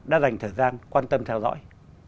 đã dành thời gian quan tâm theo dõi